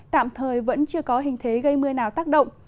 tạm thời vẫn chưa có hình thế gây mưa nào tác động